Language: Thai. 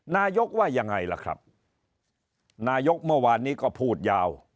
นายกว่ายังไงล่ะครับนายกเมื่อวานนี้ก็พูดยาว